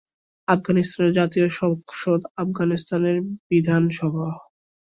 আফগানিস্তানের জাতীয় সংসদ আফগানিস্তানের বিধানসভা।